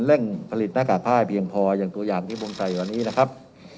เร่งผลิตหน้ากากผ้าให้เพียงพออย่างตัวอย่างที่ผมใส่วันนี้นะครับ